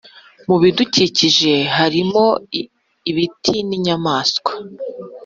Mu bidukikije harimo ibiti n’inyamaswa